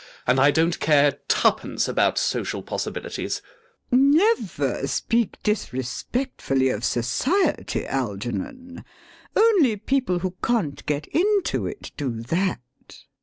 And I don't care twopence about social possibilities. LADY BRACKNELL. Never speak disrespectfully of Society, Algernon. Only people who can't get into it do that.